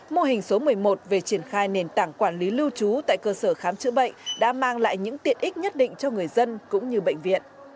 mô hình số một mươi một về triển khai nền tảng quản lý lưu trú tại cơ sở khám chữa bệnh đã mang lại những tiện ích nhất định cho người dân cũng như bệnh viện